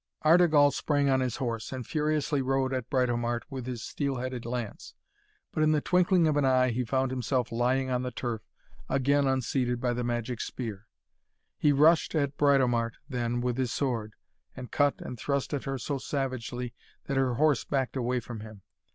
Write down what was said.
Artegall sprang on his horse, and furiously rode at Britomart with his steel headed lance. But, in the twinkling of an eye, he found himself lying on the turf, again unseated by the magic spear. He rushed at Britomart then with his sword, and cut and thrust at her so savagely that her horse backed away from him.